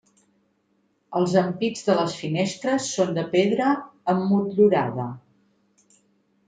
Els ampits de les finestres són de pedra emmotllurada.